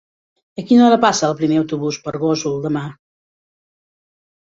A quina hora passa el primer autobús per Gósol demà?